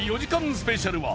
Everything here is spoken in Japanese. スペシャルは